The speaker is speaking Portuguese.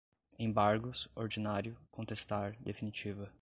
embargos, ordinário, contestar, definitiva